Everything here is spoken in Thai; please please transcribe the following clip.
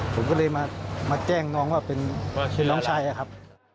ผมก็เลยมาแจ้งน้องว่าเป็นชื่อน้องชายอะครับ